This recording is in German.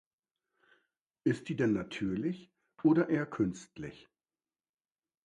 Ist die denn natürlich, oder eher künstlich?